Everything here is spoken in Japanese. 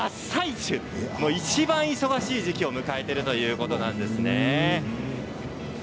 今いちばん忙しい時期を迎えているということなんですね。